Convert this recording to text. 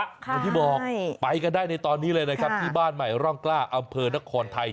อย่างที่บอกไปกันได้ในตอนนี้เลยนะครับที่บ้านใหม่ร่องกล้าอำเภอนครไทย